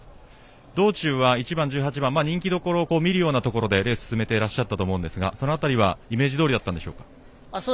道中は１番、１８番人気どころを見るようなところでレースを進めてらっしゃったと思うんですがその辺りはイメージどおりだったでしょうか？